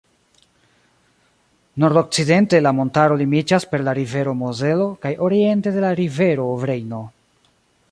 Nordokcidente la montaro limiĝas per la rivero Mozelo kaj oriente de la rivero Rejno.